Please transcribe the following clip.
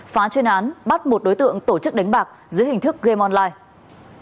phá chuyên án bắt một đối tượng tổ chức đánh bạc dưới hình thức game online